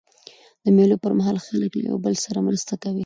د مېلو پر مهال خلک له یوه بل سره مرسته کوي.